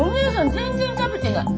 全然食べてない。